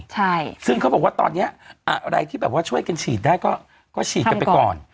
ใช่ซึ่งเขาบอกว่าตอนนี้อะไรที่แบบว่าช่วยกันฉีดได้ก็ฉีดกันไปก่อน